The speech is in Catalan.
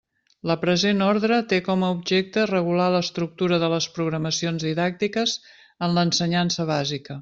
La present orde té com a objecte regular l'estructura de les programacions didàctiques en l'ensenyança bàsica.